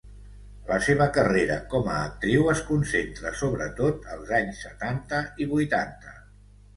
La seva carrera com a actriu es concentra sobretot als anys setanta i vuitanta.